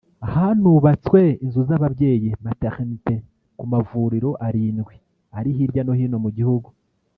Hanubatswe inzu z’ababyeyi (Maternité) ku mavuriro arindwi ari hirya no hino mu gihugu